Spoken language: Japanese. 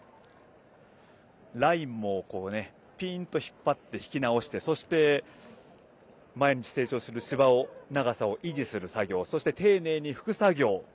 ラインもピーンと引っ張って引き直してそして、毎日成長する芝を長さを維持する作業そして、丁寧に拭く作業。